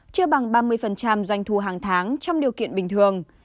chưa bằng ba mươi doanh thu hàng tháng trong điều kiện bình thường